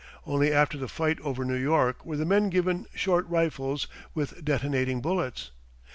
Only after the fight over New York were the men given short rifles with detonating bullets.